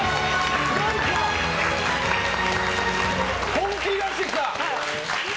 本気出してきた！